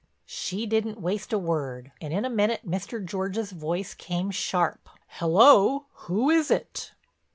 She didn't waste a word, and in a minute Mr. George's voice came sharp: "Hello, who is it?"